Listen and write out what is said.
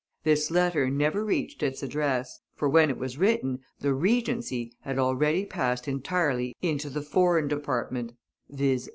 This letter never reached its address, for when it was written the "Regency" had already passed entirely into the "foreign department," viz.